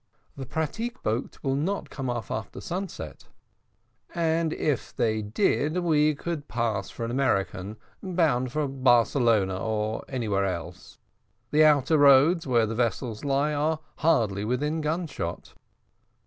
"The pratique boat will not come off after sunset." "And if they did, we could pass for an American, bound to Barcelona or anywhere else the outer roads where the vessels lie are hardly within gun shot."